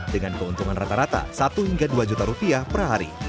dengan keuntungan rata rata satu hingga dua juta rupiah per hari